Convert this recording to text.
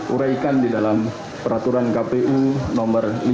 uraikan di dalam peraturan kpu nomor lima